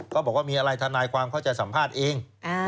ก็บอกว่ามีอะไรทนายความเขาจะสัมภาษณ์เอง